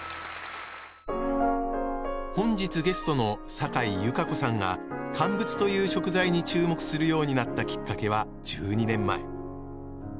本日ゲストのサカイ優佳子さんが「乾物」という食材に注目するようになったきっかけは１２年前。